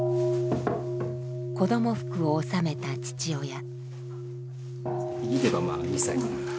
子供服を納めた父親。